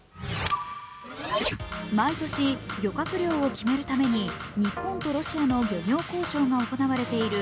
毎年、漁獲量を決めるために日本とロシアの漁業交渉が行われている。